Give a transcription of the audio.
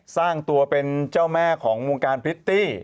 สร้างตัวเป็นเจ้าแม่ของวงการพริตตี้